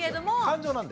感情なんで。